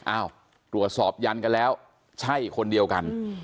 อ้าวตรวจสอบยันกันแล้วใช่คนเดียวกัน